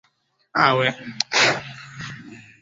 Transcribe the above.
kuzungumzia suala hili la nidhamu za wachezaji